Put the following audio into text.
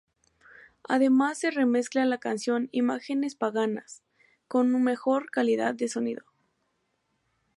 Además se remezcla la canción "Imágenes Paganas", con una mejor calidad de sonido.